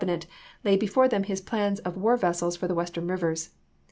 X, inet, laid before them his plans of war vessels for the Western rivers.